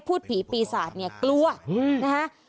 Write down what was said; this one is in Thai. พูดผีปีสาธิกลัวนะฮะ